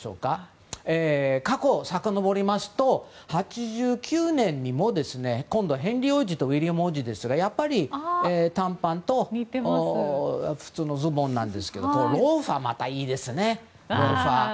過去をさかのぼりますと１９８９年にも今度へヘンリー王子とウィリアム王子ですがやっぱり、短パンと普通のズボンなんですけどローファーがまたいいですね。